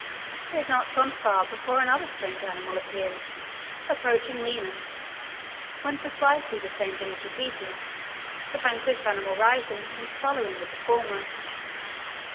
They had not gone far before another strange animal appeared, approaching Lina, when precisely the same thing was repeated, the vanquished animal rising and following with the former.